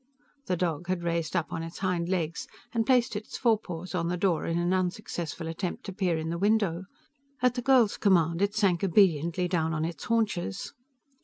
The dog had raised up on its hind legs and placed its forepaws on the door in an unsuccessful attempt to peer in the window. At the girl's command, it sank obediently down on its haunches.